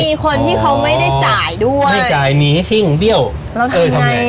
มีคนที่เขาไม่ได้จ่ายด้วยไม่จ่ายหนีชิงเดี้ยวเราทำไงอ่ะ